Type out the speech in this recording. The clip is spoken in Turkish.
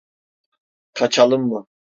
Kaçalım mı?